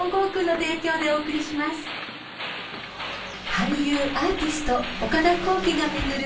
［俳優アーティスト岡田浩暉が巡る